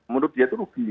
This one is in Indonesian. menurut dia itu rugi